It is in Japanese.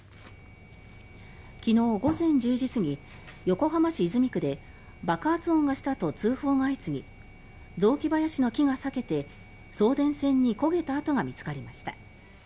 昨日午前１０時過ぎ横浜市泉区で爆発音がしたと通報が相次ぎ雑木林の木が裂けて送電線に焦げた跡が見つかりました。